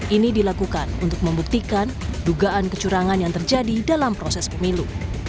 ini dilakukan untuk membuktikan dugaan kecurangan yang terjadi dalam proses pemilu